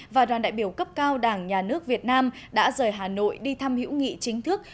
và đoàn đại biểu cấp cao đảng nhà nước việt nam đã rời hà nội đi thăm hữu nghị chính thức